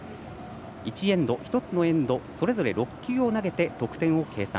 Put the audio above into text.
１つのエンドそれぞれ６級を投げて得点を計算。